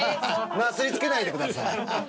なすりつけないでください。